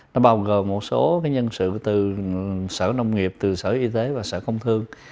nó bao gồm một số nhân sự từ sở nông nghiệp từ sở y tế và sở công thương